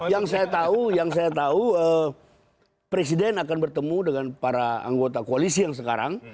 yang saya tahu yang saya tahu presiden akan bertemu dengan para anggota koalisi yang sekarang